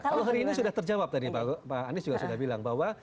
kalau hari ini sudah terjawab tadi pak anies juga sudah bilang bahwa